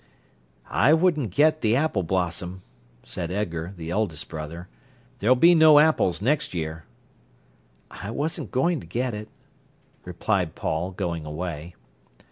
"I wouldn't get the apple blossom," said Edgar, the eldest brother. "There'll be no apples next year." "I wasn't going to get it," replied Paul, going away.